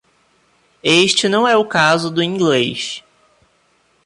Este não é o caso do inglês.